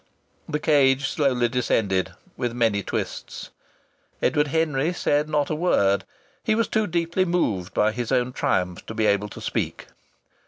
The cage slowly descended, with many twists. Edward Henry said not a word. He was too deeply moved by his own triumph to be able to speak.